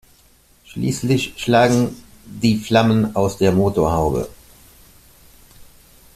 Schließlich schlagen die Flammen aus der Motorhaube.